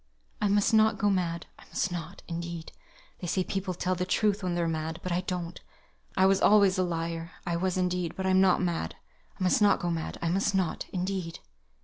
"I must not go mad. I must not, indeed. They say people tell the truth when they're mad; but I don't. I was always a liar. I was, indeed; but I'm not mad. I must not go mad. I must not, indeed."